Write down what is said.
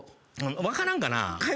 分からんかなぁ。